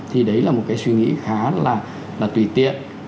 thì đấy là một cái suy nghĩ khá là tùy tiện